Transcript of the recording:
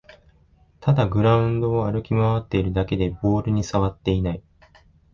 ただグラウンドを歩き回ってるだけでボールにさわっていない